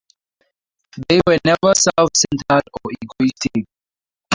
They were never self-centered or egoistic.